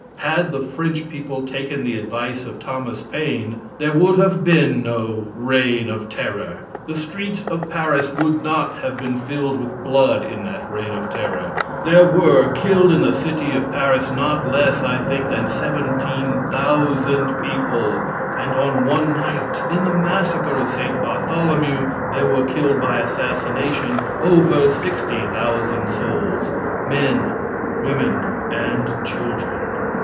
Had the French people taken the advice of Thomas Paine, there would have been no "reign of terror." The streets of Paris would not have been filled with blood in that reign of terror. There were killed in the City of Paris not less, I think, than seventeen thousand people and on one night, in the massacre of St. Bartholomew, there were killed, by assassination, over sixty thousand souls men, women, and children.